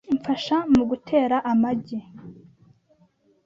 Mfasha mugutera amagi!